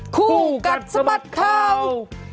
คู่กับสมัสข่าว